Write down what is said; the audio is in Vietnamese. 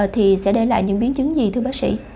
thì sẽ để lại những biến chứng gì thưa bác sĩ